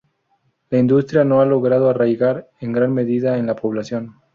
La industria no ha logrado arraigar en gran medida en la población.